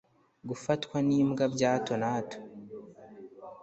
gufatwa n’imbwa bya hato na hato